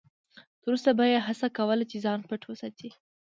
تر وسه به یې هڅه کوله چې ځان پټ وساتي.